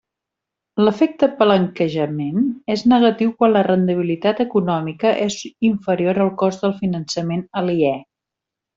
L'efecte palanquejament és negatiu quan la rendibilitat econòmica és inferior al cost del finançament aliè.